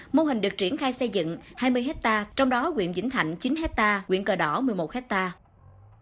mô hình được triển khai xây dựng hai mươi hectare trong đó quyện vĩnh thạnh chín hectare quyện cờ đỏ một mươi một hectare